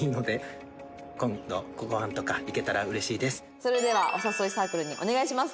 実は僕それではお誘いサークルにお願いします。